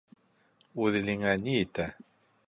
Үҙ илеңә ни етә?